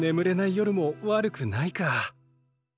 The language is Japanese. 夜も悪くないか。